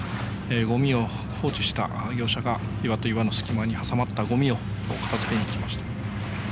ごみを放置した業者が岩と岩の隙間に挟まったごみを片付けに来ました。